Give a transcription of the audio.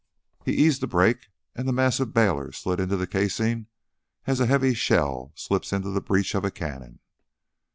He eased the brake and the massive bailer slid into the casing as a heavy shell slips into the breech of a cannon.